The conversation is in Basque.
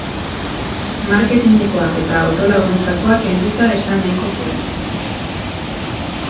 Ni ere hortik igaro naiz.